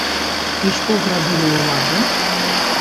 І што зрабілі ўлады?